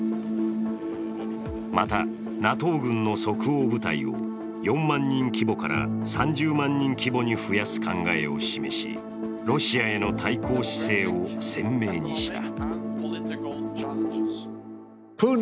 また、ＮＡＴＯ軍の即応部隊を４万人規模から３０万人規模に増やす考えを示し、ロシアへの対抗姿勢を鮮明にした。